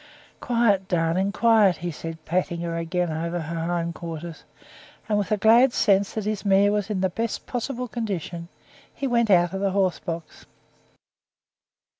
"Quiet, darling, quiet!" he said, patting her again over her hind quarters; and with a glad sense that his mare was in the best possible condition, he went out of the horse box.